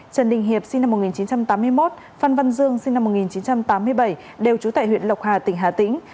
trần đình hiệp sinh năm một nghìn chín trăm tám mươi một phan văn dương sinh năm một nghìn chín trăm tám mươi bảy đều trú tại huyện lộc hà tỉnh hà tĩnh